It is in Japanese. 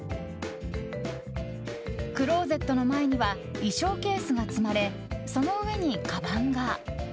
クローゼットの前には衣装ケースが積まれその上に、かばんが。